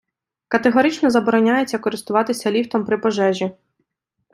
Категорично забороняється користуватися ліфтом при пожежі!